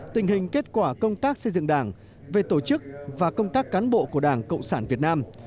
tình hình kết quả công tác xây dựng đảng về tổ chức và công tác cán bộ của đảng cộng sản việt nam